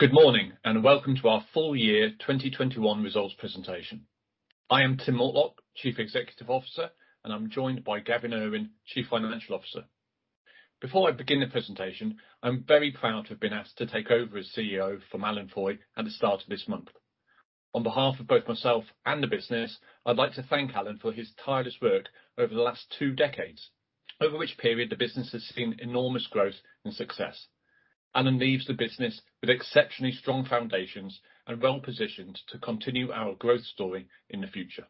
Good morning, and welcome to our full year 2021 results presentation. I am Tim Mortlock, Chief Executive Officer, and I'm joined by Gavin Urwin, Chief Financial Officer. Before I begin the presentation, I'm very proud to have been asked to take over as CEO from Alan Foy at the start of this month. On behalf of both myself and the business, I'd like to thank Alan for his tireless work over the last two decades, over which period the business has seen enormous growth and success. Alan leaves the business with exceptionally strong foundations and well-positioned to continue our growth story in the future.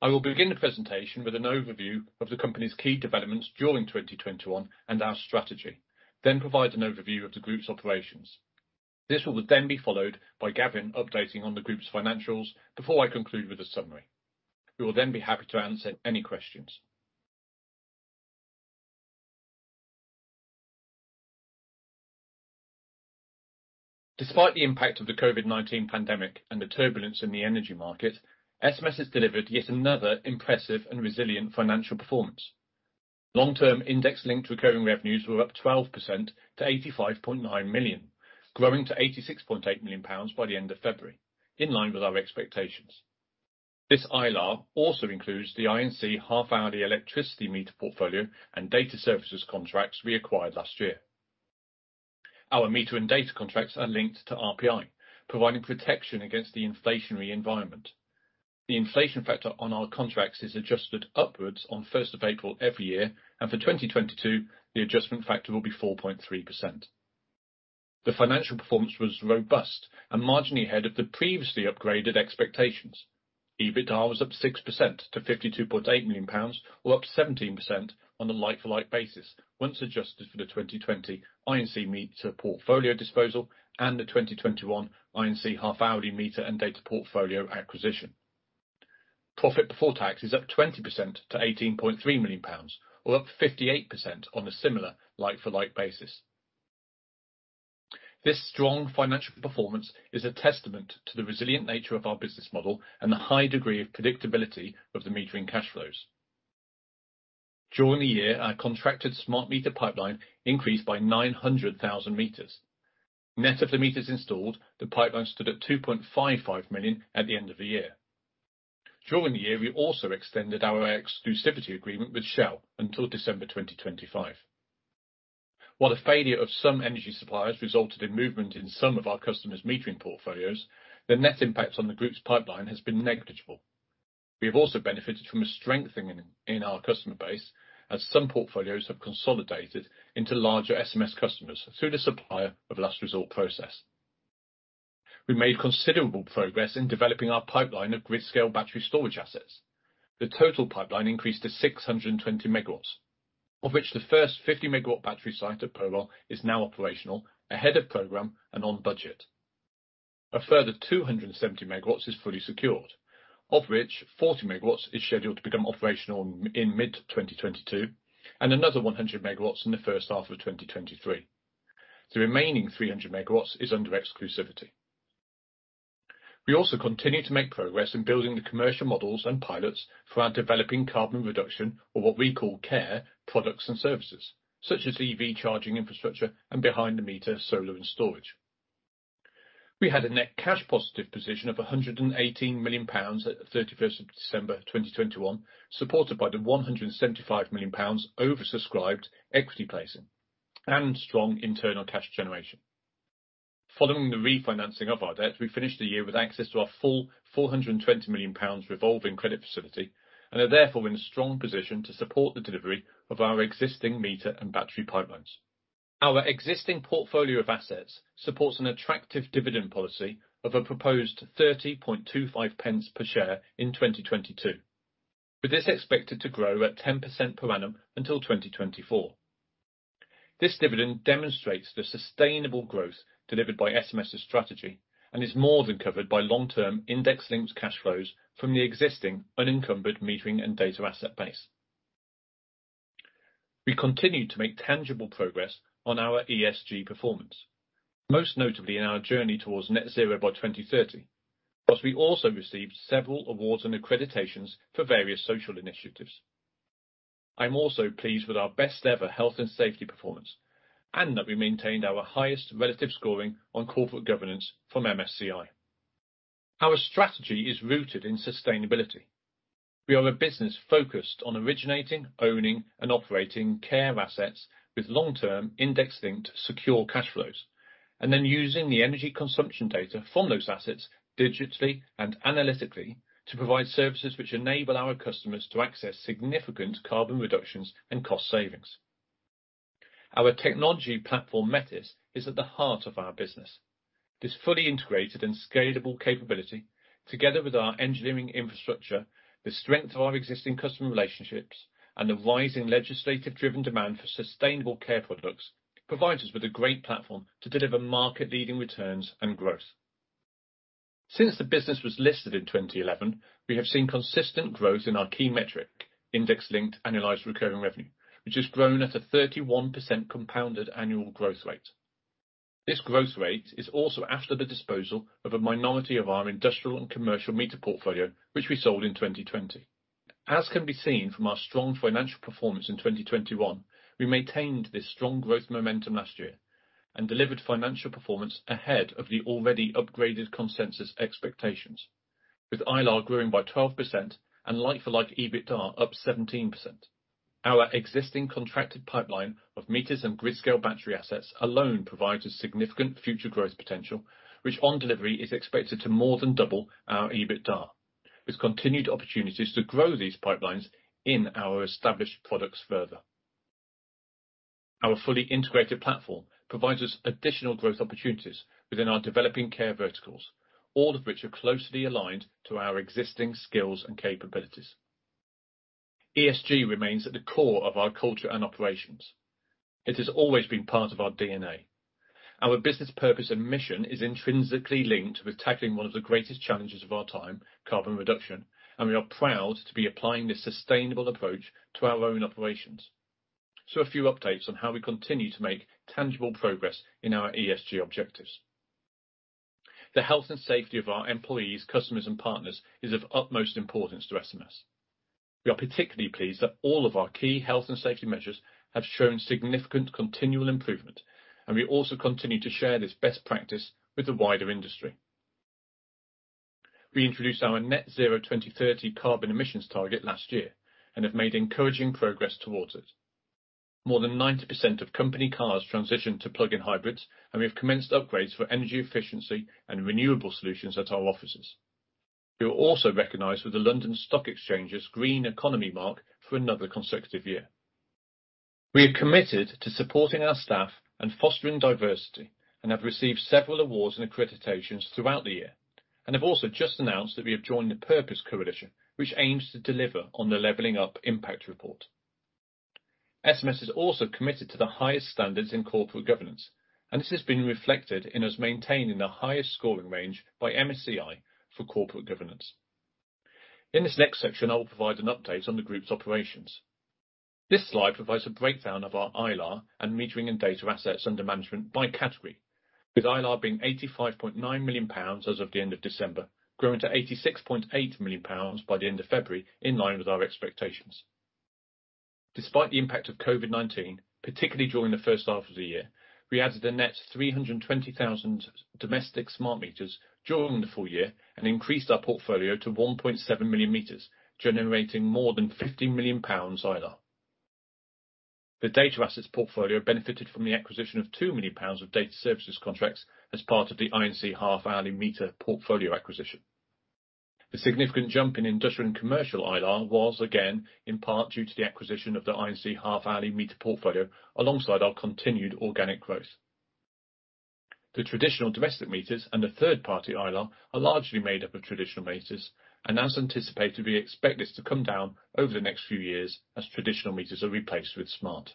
I will begin the presentation with an overview of the company's key developments during 2021, and our strategy. Provide an overview of the group's operations. This will then be followed by Gavin updating on the group's financials before I conclude with a summary. We will then be happy to answer any questions. Despite the impact of the COVID-19 pandemic and the turbulence in the energy market, SMS has delivered yet another impressive and resilient financial performance. Long term index linked recurring revenues were up 12% to 85.9 million, growing to 86.8 million pounds by the end of February, in line with our expectations. This ILR also includes the I&C half-hourly electricity meter portfolio and data services contracts we acquired last year. Our meter and data contracts are linked to RPI, providing protection against the inflationary environment. The inflation factor on our contracts is adjusted upwards on first of April every year, and for 2022, the adjustment factor will be 4.3%. The financial performance was robust and marginally ahead of the previously upgraded expectations. EBITDA was up 6% to 52.8 million pounds, or up 17% on the like-for-like basis, once adjusted for the 2020 I&C meter portfolio disposal and the 2021 I&C half-hourly meter and data portfolio acquisition. Profit before tax is up 20% to 18.3 million pounds, or up 58% on a similar like-for-like basis. This strong financial performance is a testament to the resilient nature of our business model and the high degree of predictability of the metering cash flows. During the year, our contracted smart meter pipeline increased by 900,000 m. Net of the meters installed, the pipeline stood at 2.55 million at the end of the year. During the year, we also extended our exclusivity agreement with Shell until December 2025. While the failure of some energy suppliers resulted in movement in some of our customers' metering portfolios, the net impact on the group's pipeline has been negligible. We have also benefited from a strengthening in our customer base as some portfolios have consolidated into larger SMS customers through the Supplier of Last Resort process. We made considerable progress in developing our pipeline of grid-scale battery storage assets. The total pipeline increased to 620 MW, of which the first 50-MW battery site at Burwell is now operational, ahead of program and on budget. A further 270 MW is fully secured, of which 40 MW is scheduled to become operational in mid-2022, and another 100 MW in the first half of 2023. The remaining 300 MW is under exclusivity. We also continue to make progress in building the commercial models and pilots for our developing carbon reduction or what we call CARE products and services, such as EV charging infrastructure and behind the meter solar and storage. We had a net cash positive position of 118 million pounds at December 31, 2021, supported by the 175 million pounds oversubscribed equity placing and strong internal cash generation. Following the refinancing of our debt, we finished the year with access to our full 420 million pounds revolving credit facility, and are therefore in a strong position to support the delivery of our existing meter and battery pipelines. Our existing portfolio of assets supports an attractive dividend policy of a proposed 30.25 pence per share in 2022. With this expected to grow at 10% per annum until 2024. This dividend demonstrates the sustainable growth delivered by SMS's strategy and is more than covered by long-term index-linked cash flows from the existing unencumbered metering and data asset base. We continue to make tangible progress on our ESG performance, most notably in our journey towards net zero by 2030. Plus, we also received several awards and accreditations for various social initiatives. I'm also pleased with our best ever health and safety performance, and that we maintained our highest relative scoring on corporate governance from MSCI. Our strategy is rooted in sustainability. We are a business focused on originating, owning and operating core assets with long-term index linked secure cash flows, and then using the energy consumption data from those assets digitally and analytically to provide services which enable our customers to access significant carbon reductions and cost savings. Our technology platform, Metis, is at the heart of our business. This fully integrated and scalable capability, together with our engineering infrastructure, the strength of our existing customer relationships, and the rising legislatively driven demand for sustainable core products, provides us with a great platform to deliver market-leading returns and growth. Since the business was listed in 2011, we have seen consistent growth in our key metric, index-linked annualized recurring revenue, which has grown at a 31% compounded annual growth rate. This growth rate is also after the disposal of a minority of our industrial and commercial meter portfolio, which we sold in 2020. As can be seen from our strong financial performance in 2021, we maintained this strong growth momentum last year and delivered financial performance ahead of the already upgraded consensus expectations. With ILARR growing by 12% and like-for-like EBITDA up 17%. Our existing contracted pipeline of meters and grid-scale battery assets alone provides significant future growth potential, which on delivery is expected to more than double our EBITDA. With continued opportunities to grow these pipelines in our established products further. Our fully integrated platform provides us additional growth opportunities within our developing care verticals, all of which are closely aligned to our existing skills and capabilities. ESG remains at the core of our culture and operations. It has always been part of our DNA. Our business purpose and mission is intrinsically linked with tackling one of the greatest challenges of our time, carbon reduction, and we are proud to be applying this sustainable approach to our own operations. A few updates on how we continue to make tangible progress in our ESG objectives. The health and safety of our employees, customers and partners is of utmost importance to SMS. We are particularly pleased that all of our key health and safety measures have shown significant continual improvement, and we also continue to share this best practice with the wider industry. We introduced our net zero 2030 carbon emissions target last year and have made encouraging progress towards it. More than 90% of company cars transitioned to plug-in hybrids, and we have commenced upgrades for energy efficiency and renewable solutions at our offices. We were also recognized with the London Stock Exchange's Green Economy Mark for another consecutive year. We are committed to supporting our staff and fostering diversity and have received several awards and accreditations throughout the year. We have also just announced that we have joined the Purpose Coalition, which aims to deliver on the leveling up impact report. SMS is also committed to the highest standards in corporate governance, and this has been reflected and is maintained in the highest scoring range by MSCI for corporate governance. In this next section, I will provide an update on the group's operations. This slide provides a breakdown of our ILARR and metering and data assets under management by category. With ILARR being 85.9 million pounds as of the end of December, growing to 86.8 million pounds by the end of February in line with our expectations. Despite the impact of COVID-19, particularly during the first half of the year, we added a net 320,000 domestic smart meters during the full year and increased our portfolio to 1.7 million meters, generating more than 50 million pounds ILR. The data assets portfolio benefited from the acquisition of 2 million pounds of data services contracts as part of the I&C half-hourly meter portfolio acquisition. The significant jump in industrial and commercial ILR was again in part due to the acquisition of the I&C half-hourly meter portfolio alongside our continued organic growth. The traditional domestic meters and the third party ILR are largely made up of traditional meters, and as anticipated, we expect this to come down over the next few years as traditional meters are replaced with smart.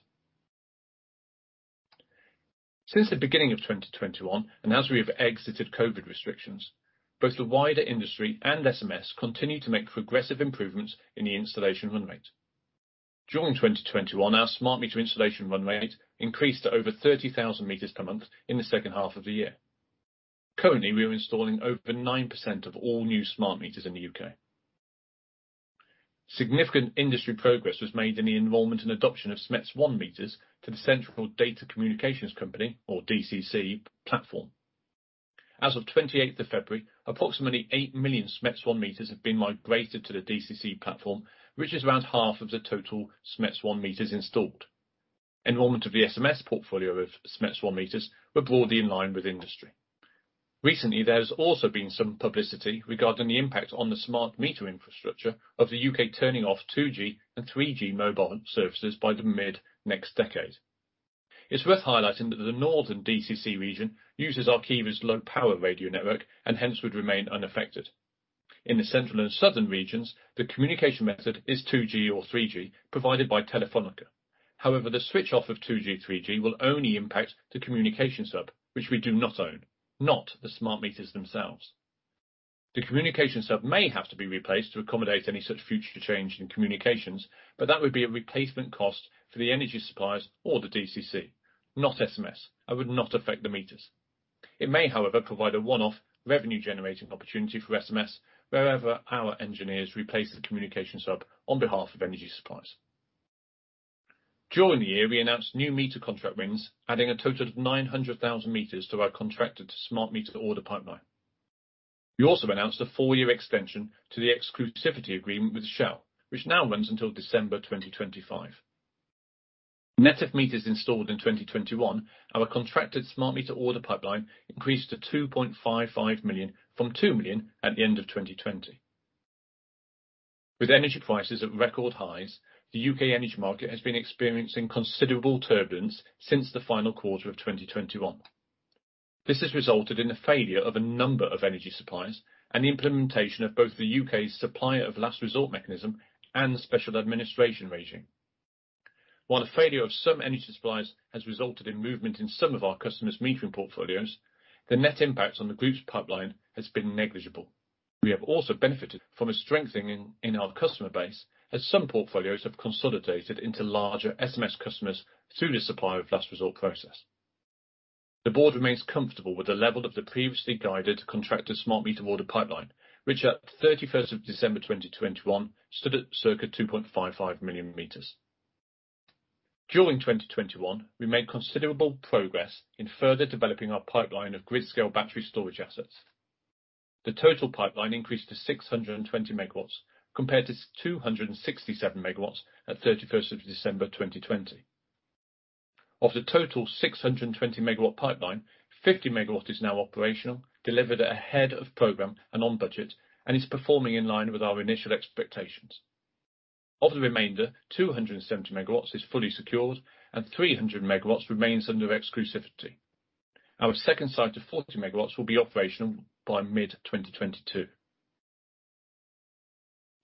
Since the beginning of 2021, and as we have exited COVID restrictions, both the wider industry and SMS continue to make progressive improvements in the installation run rate. During 2021, our smart meter installation run rate increased to over 30,000 meters per month in the second half of the year. Currently, we are installing over 9% of all new smart meters in the U.K. Significant industry progress was made in the enrollment and adoption of SMETS1 meters to the Data Communications Company or DCC platform. As of 28th of February, approximately 8 million SMETS1 meters have been migrated to the DCC platform, which is around half of the total SMETS1 meters installed. Enrollment of the SMS portfolio of SMETS1 meters were broadly in line with industry. Recently, there's also been some publicity regarding the impact on the smart meter infrastructure of the U.K. turning off 2G and 3G mobile services by the mid next decade. It's worth highlighting that the northern DCC region uses Arqiva's low power radio network and hence would remain unaffected. In the central and southern regions, the communication method is 2G or 3G provided by Telefónica. However, the switch off of 2G, 3G will only impact the communication hub, which we do not own, not the smart meters themselves. The communication hub may have to be replaced to accommodate any such future change in communications, but that would be a replacement cost for the energy suppliers or the DCC, not SMS, and would not affect the meters. It may, however, provide a one-off revenue generating opportunity for SMS wherever our engineers replace the communication hub on behalf of energy suppliers. During the year, we announced new meter contract wins, adding a total of 900,000 meters to our contracted smart meter order pipeline. We also announced a 4-year extension to the exclusivity agreement with Shell, which now runs until December 2025. Net of meters installed in 2021, our contracted smart meter order pipeline increased to 2.55 million from 2 million at the end of 2020. With energy prices at record highs, the U.K. energy market has been experiencing considerable turbulence since the final quarter of 2021. This has resulted in the failure of a number of energy suppliers and the implementation of both the U.K.'s Supplier of Last Resort mechanism and the Special Administration Regime. While the failure of some energy suppliers has resulted in movement in some of our customers' metering portfolios, the net impact on the group's pipeline has been negligible. We have also benefited from a strengthening in our customer base as some portfolios have consolidated into larger SMS customers through the Supplier of Last Resort process. The board remains comfortable with the level of the previously guided contracted smart meter order pipeline, which at December 31, 2021 stood at circa 2.55 million meters. During 2021, we made considerable progress in further developing our pipeline of grid-scale battery storage assets. The total pipeline increased to 620 MW compared to 267 MW at 31st December 2020. Of the total 620 MW pipeline, 50 MW is now operational, delivered ahead of program and on budget, and is performing in line with our initial expectations. Of the remainder, 270 MW is fully secured and 300 MW remains under exclusivity. Our second site of 40 MW will be operational by mid-2022.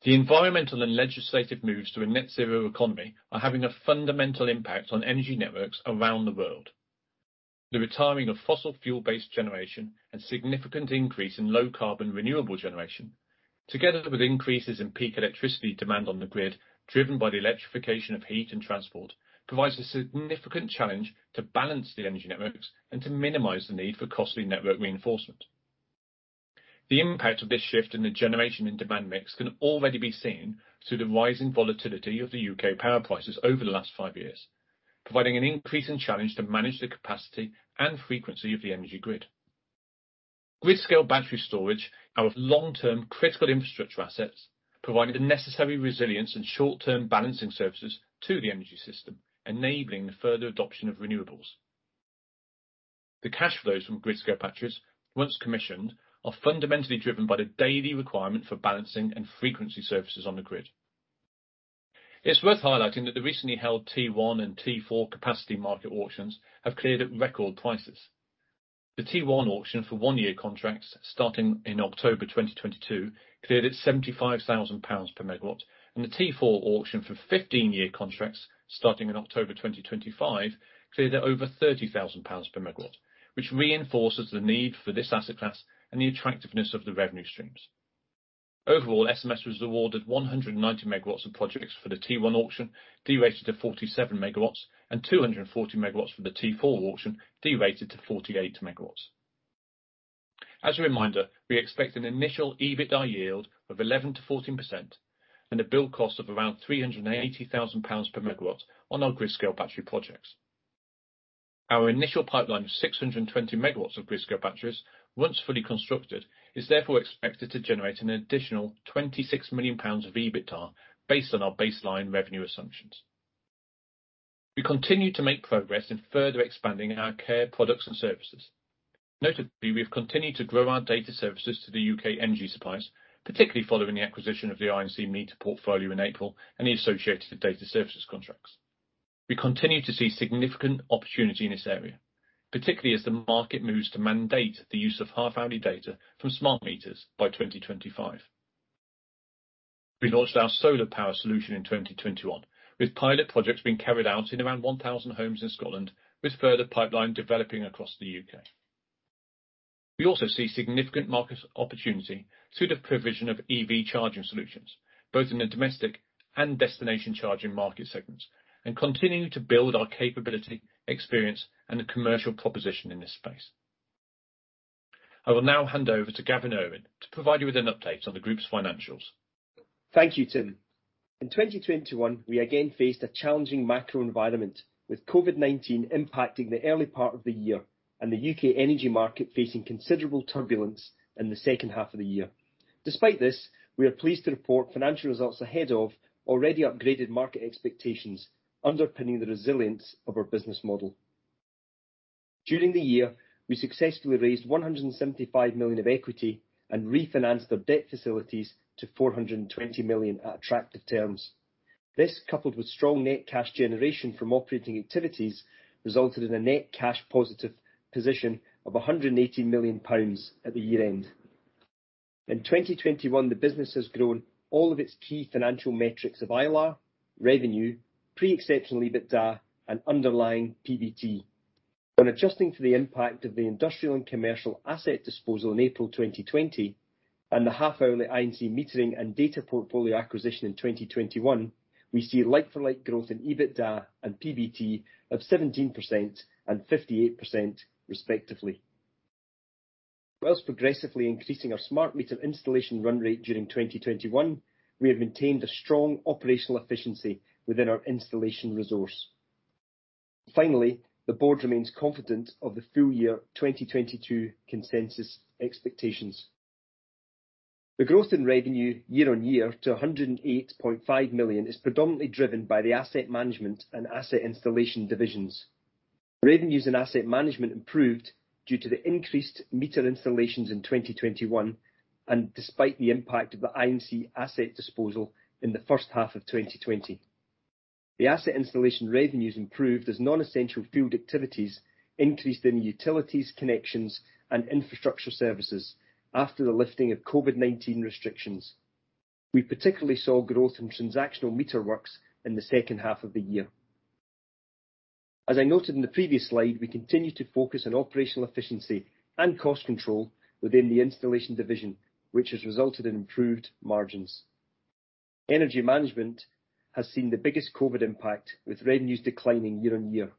The environmental and legislative moves to a net zero economy are having a fundamental impact on energy networks around the world. The retiring of fossil fuel-based generation and significant increase in low carbon renewable generation, together with increases in peak electricity demand on the grid, driven by the electrification of heat and transport, provides a significant challenge to balance the energy networks and to minimize the need for costly network reinforcement. The impact of this shift in the generation and demand mix can already be seen through the rise in volatility of the U.K. power prices over the last five years, providing an increasing challenge to manage the capacity and frequency of the energy grid. Grid-scale battery storage, our long-term critical infrastructure assets, provide the necessary resilience and short-term balancing services to the energy system, enabling the further adoption of renewables. The cash flows from grid-scale batteries, once commissioned, are fundamentally driven by the daily requirement for balancing and frequency services on the grid. It's worth highlighting that the recently held T1 and T4 capacity market auctions have cleared at record prices. The T1 auction for one-year contracts starting in October 2022 cleared at 75,000 pounds per MW, and the T4 auction for 15-year contracts starting in October 2025 cleared at over 30,000 pounds per MW, which reinforces the need for this asset class and the attractiveness of the revenue streams. Overall, SMS was awarded 190 MW of projects for the T1 auction, derated to 47 MW, and 240 MW for the T4 auction, derated to 48 MW. As a reminder, we expect an initial EBITDA yield of 11%-14% and a build cost of around 380,000 pounds per MW on our grid-scale battery projects. Our initial pipeline of 620 MW of grid-scale batteries, once fully constructed, is therefore expected to generate an additional 26 million pounds of EBITDA based on our baseline revenue assumptions. We continue to make progress in further expanding our CARE products and services. Notably, we have continued to grow our data services to the U.K. energy suppliers, particularly following the acquisition of the I&C meter portfolio in April and the associated data services contracts. We continue to see significant opportunity in this area, particularly as the market moves to mandate the use of half-hourly data from smart meters by 2025. We launched our solar power solution in 2021, with pilot projects being carried out in around 1,000 homes in Scotland, with further pipeline developing across the U.K. We also see significant market opportunity through the provision of EV charging solutions, both in the domestic and destination charging market segments, and continue to build our capability, experience, and commercial proposition in this space. I will now hand over to Gavin Urwin to provide you with an update on the Group's financials. Thank you, Tim. In 2021, we again faced a challenging macro environment, with COVID-19 impacting the early part of the year and the U.K. energy market facing considerable turbulence in the second half of the year. Despite this, we are pleased to report financial results ahead of already upgraded market expectations, underpinning the resilience of our business model. During the year, we successfully raised 175 million of equity and refinanced our debt facilities to 420 million at attractive terms. This, coupled with strong net cash generation from operating activities, resulted in a net cash positive position of 180 million pounds at the year-end. In 2021, the business has grown all of its key financial metrics of ILARR, revenue, pre-exceptional EBITDA, and underlying PBT. On adjusting to the impact of the industrial and commercial asset disposal in April 2020, and the half-hourly I&C metering and data portfolio acquisition in 2021, we see like-for-like growth in EBITDA and PBT of 17% and 58% respectively. Whilst progressively increasing our smart meter installation run rate during 2021, we have maintained a strong operational efficiency within our installation resource. Finally, the board remains confident of the full year 2022 consensus expectations. The growth in revenue year-on-year to 108.5 million is predominantly driven by the asset management and asset installation divisions. Revenues in asset management improved due to the increased meter installations in 2021, and despite the impact of the I&C asset disposal in the first half of 2020. The asset installation revenues improved as non-essential field activities increased in utilities, connections, and infrastructure services after the lifting of COVID-19 restrictions. We particularly saw growth in transactional meter works in the second half of the year. As I noted in the previous slide, we continue to focus on operational efficiency and cost control within the installation division, which has resulted in improved margins. Energy management has seen the biggest COVID impact, with revenues declining year-on-year.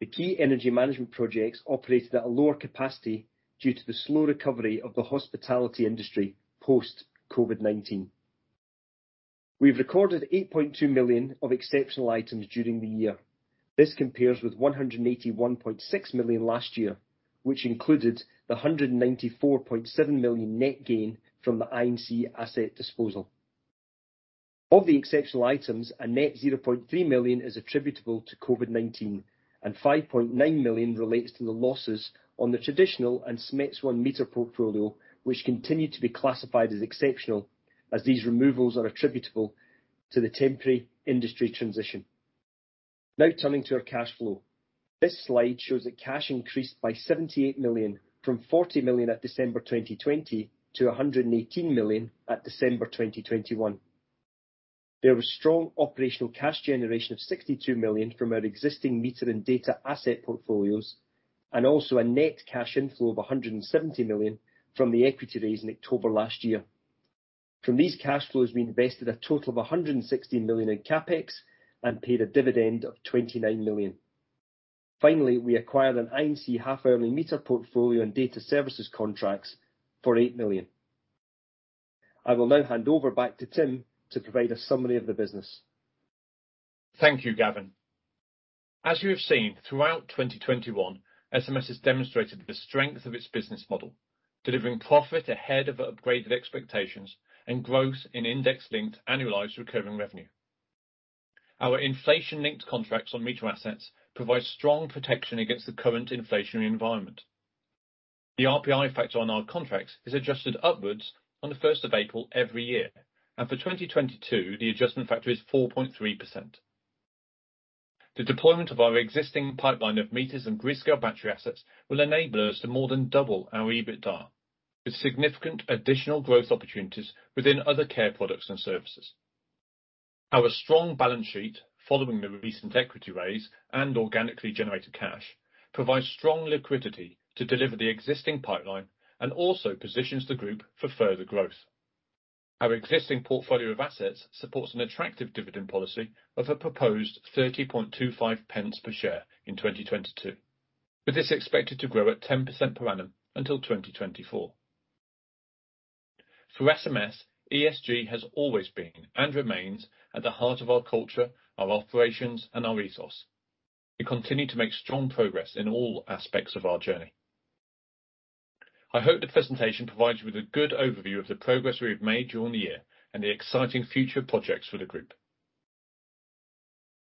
The key energy management projects operated at a lower capacity due to the slow recovery of the hospitality industry post COVID-19. We've recorded 8.2 million of exceptional items during the year. This compares with 181.6 million last year, which included the 194.7 million net gain from the I&C asset disposal. Of the exceptional items, a net 0.3 million is attributable to COVID-19, and 5.9 million relates to the losses on the traditional and SMETS1 meter portfolio, which continue to be classified as exceptional as these removals are attributable to the temporary industry transition. Now turning to our cash flow. This slide shows that cash increased by 78 million from 40 million at December 2020 to 118 million at December 2021. There was strong operational cash generation of 62 million from our existing meter and data asset portfolios, and also a net cash inflow of 170 million from the equity raise in October last year. From these cash flows, we invested a total of 116 million in CapEx and paid a dividend of 29 million. Finally, we acquired an I&C half-hourly meter portfolio and data services contracts for 8 million. I will now hand over back to Tim to provide a summary of the business. Thank you, Gavin. As you have seen throughout 2021, SMS has demonstrated the strength of its business model, delivering profit ahead of upgraded expectations and growth in index-linked annualized recurring revenue. Our inflation-linked contracts on meter assets provide strong protection against the current inflationary environment. The RPI factor on our contracts is adjusted upwards on the first of April every year, and for 2022, the adjustment factor is 4.3%. The deployment of our existing pipeline of meters and grid-scale battery assets will enable us to more than double our EBITDA with significant additional growth opportunities within other core products and services. Our strong balance sheet following the recent equity raise and organically generated cash provides strong liquidity to deliver the existing pipeline and also positions the group for further growth. Our existing portfolio of assets supports an attractive dividend policy of a proposed 30.25 pence per share in 2022, with this expected to grow at 10% per annum until 2024. For SMS, ESG has always been and remains at the heart of our culture, our operations, and our ethos. We continue to make strong progress in all aspects of our journey. I hope the presentation provides you with a good overview of the progress we have made during the year and the exciting future projects for the group.